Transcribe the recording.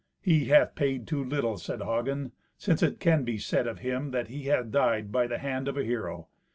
"He hath paid too little," said Hagen, "since it can be said of him that he hath died by the hand of a hero.